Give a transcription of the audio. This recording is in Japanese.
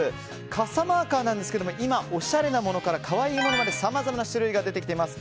傘マーカーなんですけど今、おしゃれなものから可愛いものまでさまざまな種類が出てきています。